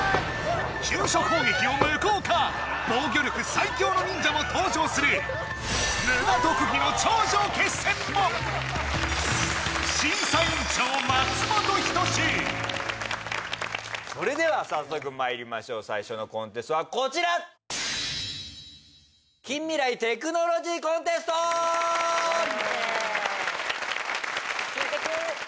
急所攻撃を無効化防御力最強の忍者も登場するそれでは早速まいりましょう最初のコンテストはこちらイエーイ